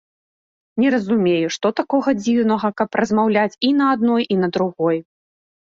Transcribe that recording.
Не разумею, што такога дзіўнага, каб размаўляць і на адной, і на другой.